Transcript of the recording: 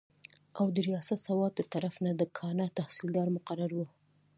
او د رياست سوات دطرف نه د کاڼا تحصيلدار مقرر وو